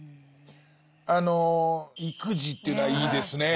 あの意気地というのはいいですね。